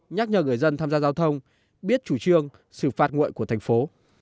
nhắc nhờ người dân tham gia giao thông biết chủ trương xử phạt nguội của thành phố